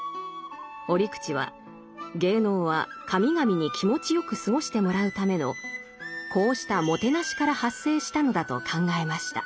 折口は芸能は神々に気持ちよく過ごしてもらうためのこうしたもてなしから発生したのだと考えました。